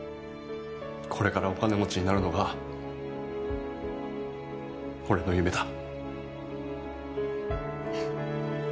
これからお金持ちになるのが俺の夢だ。